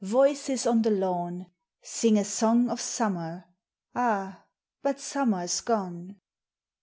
Voices on the lawn; Sing a song of Summer, — Ah, but Summer 's gone!